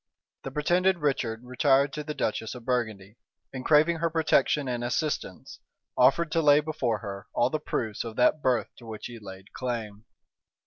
The pretended Richard retired to the duchess of Burgundy, and craving her protection and assistance, offered to lay before her all the proofs of that birth to which he laid claim.